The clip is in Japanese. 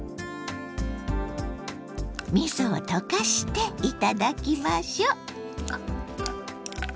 みそを溶かして頂きましょう！